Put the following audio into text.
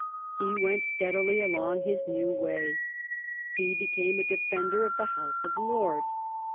He went steadily along his new way. He became a defender of the House of Lords.